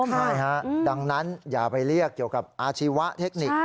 ใช่ฮะดังนั้นอย่าไปเรียกเกี่ยวกับอาชีวะเทคนิค